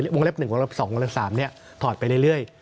วงเล็บ๑๒๓ถอดไปเรื่อย